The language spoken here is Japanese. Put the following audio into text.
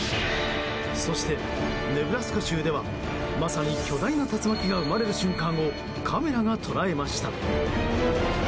そしてネブラスカ州ではまさに巨大な竜巻が生まれる瞬間をカメラが捉えました。